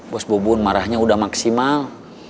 bos bubun marahnya udah maksimal